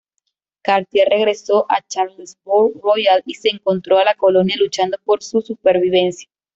Cartier regresó a Charlesbourg-Royal y se encontró a la colonia luchando por su supervivencia.